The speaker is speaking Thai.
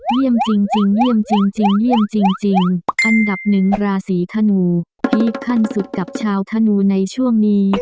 เยี่ยมจริงอันดับ๑ราศรีธนูพีคขั้นสุดกับชาวธนูในช่วงนี้